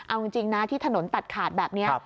เอาจริงนะที่ถนนตัดขาดแบบนี้